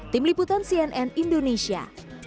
tim liputan cnn indonesia